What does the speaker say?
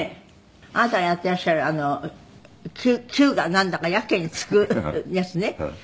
「あなたがやっていらっしゃる９がなんだかやけに付くやつね」